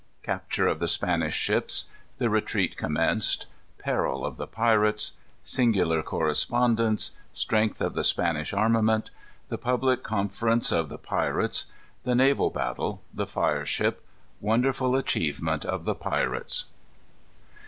Capture of the Spanish Ships. The Retreat Commenced. Peril of the Pirates. Singular Correspondence. Strength of the Spanish Armament. The Public Conference of the Pirates. The Naval Battle. The Fire Ship. Wonderful Achievement of the Pirates.